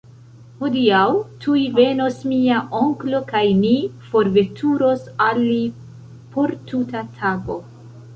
Hodiaŭ, tuj, venos mia onklo kaj ni forveturos al li por tuta tago.